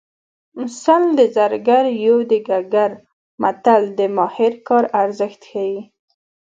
سل د زرګر یو د ګګر متل د ماهر کار ارزښت ښيي